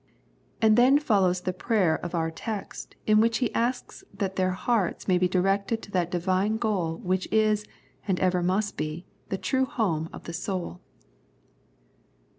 And then follows the prayer of our text in which he asks that their hearts may be directed to that Divine goal which is, and ever must be, the true home of the soul.